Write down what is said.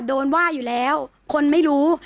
โดนว่าอยู่แล้วคนไม่รู้